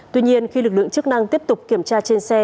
tuy nhiên khi lực lượng chức năng tiếp tục kiểm tra trên xe